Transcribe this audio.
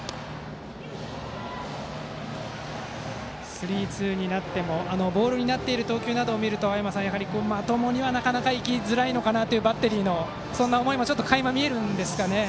スリーツーになってもボールになっている投球を見ると青山さん、まともにはなかなか行きづらいのかなというバッテリーのそんな思いも垣間見えますかね。